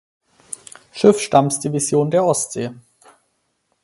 Schiffsstammdivision der Ostsee.